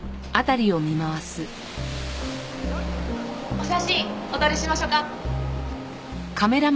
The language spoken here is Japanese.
お写真お撮りしましょうか？